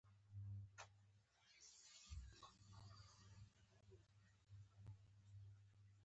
د وروستي قشر الکترونونه په اته الکترونونو پوره کوي.